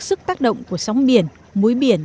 sức tác động của sóng biển mối biển